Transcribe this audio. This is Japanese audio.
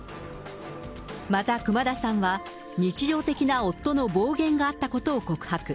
また熊田さんは、日常的な夫の暴言があったことを告白。